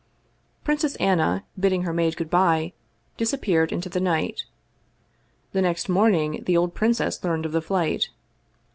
Princess Anna, bidding her maid good by, disappeared into the night. The next morning the old princess learned of the flight.